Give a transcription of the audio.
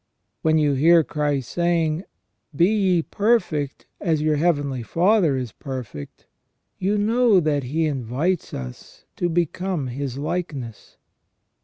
When you hear Christ saying :* Be ye perfect, as your Heavenly Father is perfect,' you know that He invites us to become His likeness.